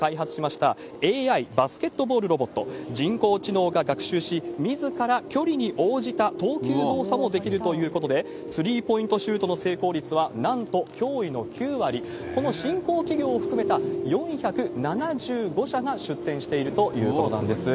さらに、トヨタ自動車が開発しましたＡＩバスケットボールロボット、人工知能が学習し、みずから距離に応じた投球動作もできるということで、スリーポイントシュートの成功率は、なんと驚異の９割、この新興企業を含めた４７５社が出展しているということなんです。